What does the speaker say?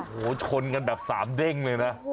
โอ้โหชนกันแบบ๓เด้งเลยนะ